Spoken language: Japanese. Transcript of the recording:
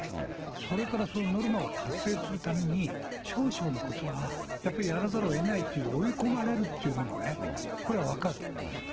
それからそのノルマを達成するために、少々のことはやっぱりやらざるをえないという、追い込まれるっていう、これは分かる。